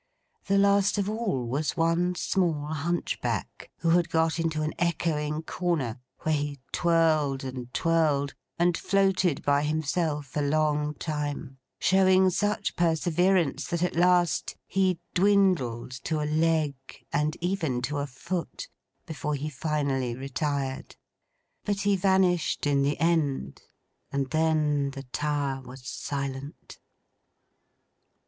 The last of all was one small hunchback, who had got into an echoing corner, where he twirled and twirled, and floated by himself a long time; showing such perseverance, that at last he dwindled to a leg and even to a foot, before he finally retired; but he vanished in the end, and then the tower was silent.